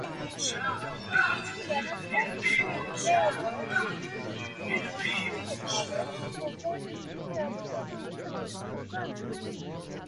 Janus also became available through fund supermarkets for both retail shareholders and financial planners.